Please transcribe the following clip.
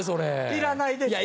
いらないですか？